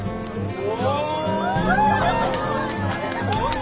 お！